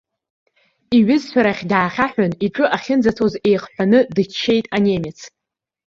Иҩызцәа рахь даахьаҳәын, иҿы ахьынӡацоз еихҳәаны дыччеит анемец.